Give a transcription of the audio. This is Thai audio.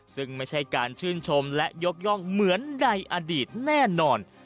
ซึ่งไม่ใช่การชื่นชมและยกย่องเหมือนในอดีตแน่นอน